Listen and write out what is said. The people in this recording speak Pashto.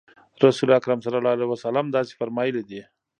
رسول اکرم صلی الله علیه وسلم داسې فرمایلي دي.